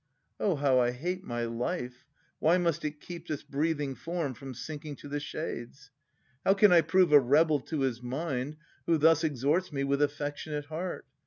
Oh how I hate my life ! Why must it keep This breathing form from sinking to the shades? How can I prove a rebel to his mind Who thus exhorts me with affectionate heart?